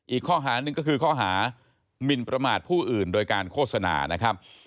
อีกข้อหาหนึ่งก็คือข้อหามินประมาทผู้อื่นโดยการโฆษณานะครับ